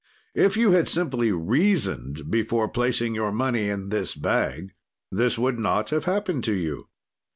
"'If you had simply reasoned before placing your money in this bag, this would not have happened to you.'